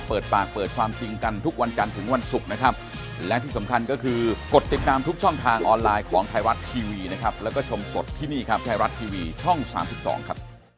อ๋อพอบอกว่าเดี๋ยวถึงหน้าบ้านค่อยโอนเขาก็เลยเงียบไปเลยไม่ส่งอะไรมาเลย